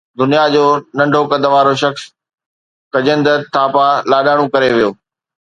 دنيا جو ننڍو قد وارو شخص کجيندر ٿاپا لاڏاڻو ڪري ويو